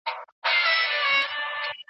ایا نوي کروندګر کاغذي بادام اخلي؟